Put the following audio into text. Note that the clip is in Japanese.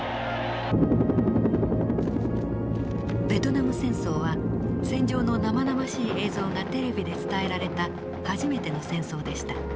ベトナム戦争は戦場の生々しい映像がテレビで伝えられた初めての戦争でした。